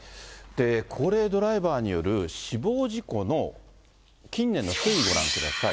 高齢ドライバーによる死亡事故の近年の推移ご覧ください。